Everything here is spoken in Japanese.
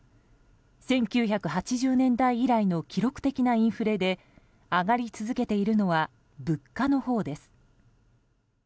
１９８０年代以来の記録的なインフレで上がり続けているのは物価のほうです。